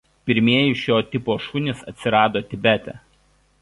Pirmieji šio tipo šunys atsirado Tibete.